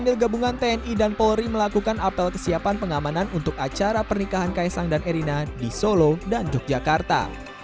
dan personil gabungan tni dan polri melakukan apel kesiapan pengamanan untuk acara pernikahan kaisang dan erina di solo dan yogyakarta